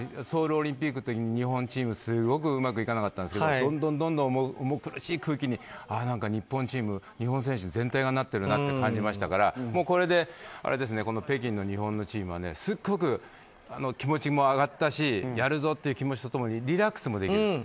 ソウルオリンピックの時に日本チームすごくうまくいかなかったんですけどどんどん苦しい空気に日本チーム、日本選手全体がなっているなって感じましたからこれで北京の日本のチームはすっごく気持ちも上がったしやるぞという気持ちと共にリラックスもできる。